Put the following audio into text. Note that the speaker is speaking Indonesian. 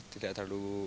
tidak terlalu kecil gitu